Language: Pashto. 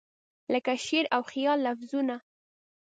لکه شعر او خیال لفظونه